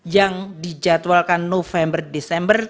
yang dijadwalkan november desember